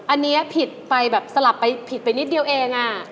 อันนี้ผิดไปแบบสลับไปผิดไปนิดเดียวเอง